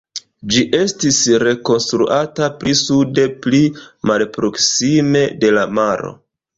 Ĝi estis rekonstruata pli sude, pli malproksime de la maro.